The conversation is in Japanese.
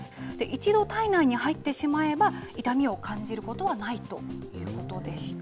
一度体内に入ってしまえば痛みを感じることはないということでし